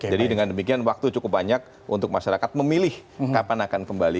jadi dengan demikian waktu cukup banyak untuk masyarakat memilih kapan akan kembali